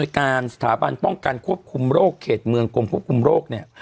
การสถาบันป้องกันควบคุมโรคเขตเมืองกรมควบคุมโรคเนี่ย